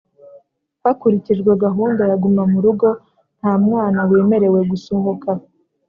Hakurikijwe gahunda ya Guma murugo ntamwana wemerewe gusohoka